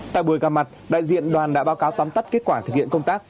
tại buổi gặp mặt đại diện đoàn đã báo cáo tóm tắt kết quả thực hiện công tác